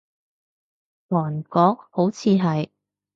韓國，好似係